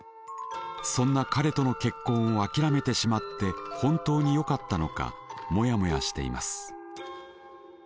そんな彼との結婚をあきらめてしまって本当によかったのかモヤモヤしています。